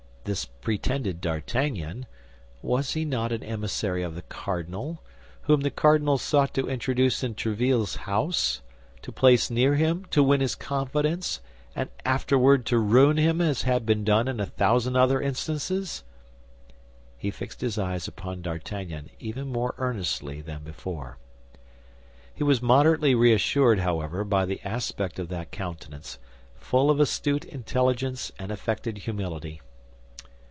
This pretended D'Artagnan—was he not an emissary of the cardinal, whom the cardinal sought to introduce into Tréville's house, to place near him, to win his confidence, and afterward to ruin him as had been done in a thousand other instances? He fixed his eyes upon D'Artagnan even more earnestly than before. He was moderately reassured, however, by the aspect of that countenance, full of astute intelligence and affected humility.